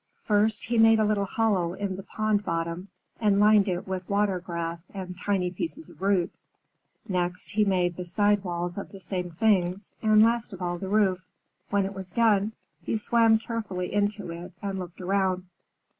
First he made a little hollow in the pond bottom, and lined it with watergrass and tiny pieces of roots. Next, he made the side walls of the same things, and last of all, the roof. When it was done, he swam carefully into it and looked around.